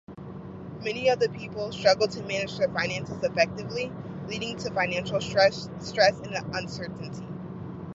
Many people struggle to manage their finances effectively, leading to financial stress and uncertainty.